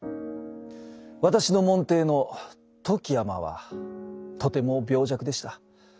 私の門弟の富木尼はとても病弱でした。